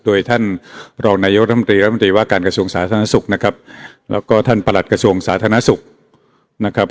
โดยท่านรองนายกรรมตรีรัฐมนตรีว่าการกระทรวงสาธารณสุขนะครับแล้วก็ท่านประหลัดกระทรวงสาธารณสุขนะครับ